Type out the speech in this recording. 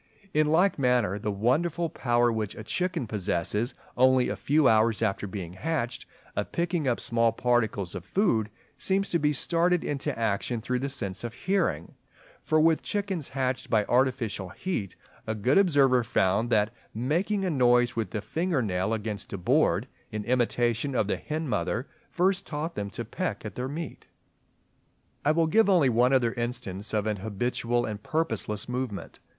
In like manner the wonderful power which a chicken possesses only a few hours after being hatched, of picking up small particles of food, seems to be started into action through the sense of hearing; for with chickens hatched by artificial heat, a good observer found that "making a noise with the finger nail against a board, in imitation of the hen mother, first taught them to peck at their meat." I will give only one other instance of an habitual and purposeless movement.